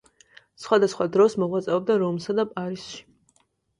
სხვადასხვა დროს მოღვაწეობდა რომსა და პარიზში.